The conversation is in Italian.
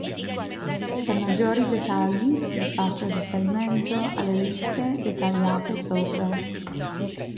Per maggiori dettagli si faccia riferimento alle liste dettagliate sopra.